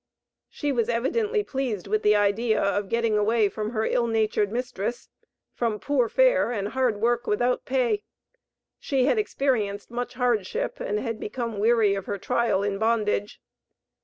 She was evidently pleased with the idea of getting away from her ill natured mistress, from poor fare and hard work without pay. She had experienced much hardship, and had become weary of her trial in bondage.